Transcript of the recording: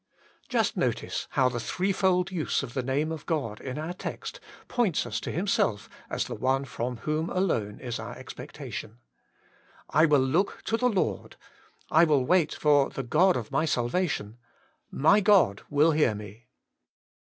Just notice how the threefold use of the name of God in our text points us to Himself as the one from whom alone is our expectation. ' I will look to The Lord ; I will wait for The God OP MY salvation; My God will hear me.'